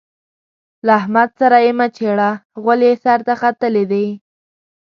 له احمد سره يې مه چېړه؛ غول يې سر ته ختلي دي.